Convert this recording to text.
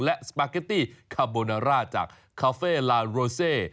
และสปาเกตตี้คาโบนาร่าจากคาเฟ่ลาโรเซ